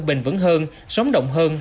bình vững hơn sóng động hơn